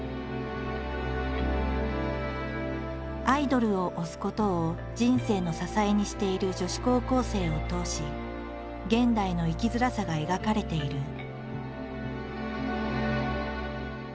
アイドルを「推す」ことを人生の支えにしている女子高校生を通し現代の生きづらさが描かれている。